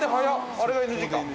あれがＮＧか。